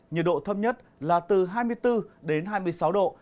nhiệt độ thấp nhất là từ hai mươi bốn đến hai mươi sáu độ